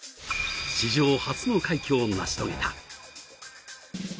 史上初の快挙を成し遂げた。